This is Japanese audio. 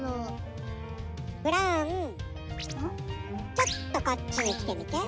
ちょっとこっちへきてみて。